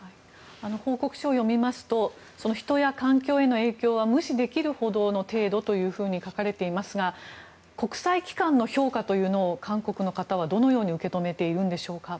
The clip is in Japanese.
報告書を読みますと人や環境への影響は無視できるほどの程度と書かれていますが国際機関の評価というのを韓国の方はどのように受け止めているんでしょうか？